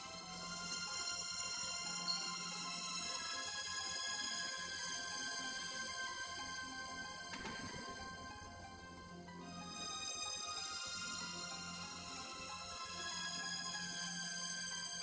teman terima kasih sudah sengaja enjoyableto terima kasih